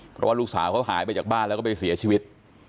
เพราะว่าลูกสาวเขาหายไปจากบ้านแล้วก็ไปเสียชีวิต